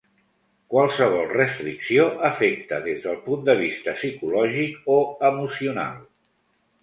Qualsevol restricció afecta des del punt de vista psicològic o emocional.